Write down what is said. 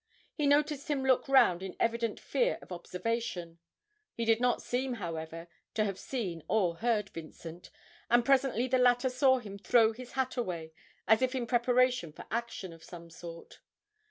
He noticed him look round in evident fear of observation he did not seem, however, to have seen or heard Vincent, and presently the latter saw him throw his hat away, as if in preparation for action of some sort.